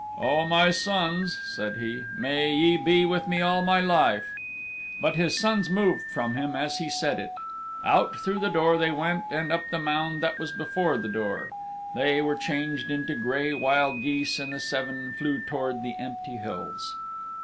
"O my sons," said he, "may ye be with me all my life." But his sons moved from him as he said it. Out through the door they went, and up the mound that was before the door. There they changed into gray wild geese, and the seven flew towards the empty hills.